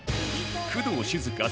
工藤静香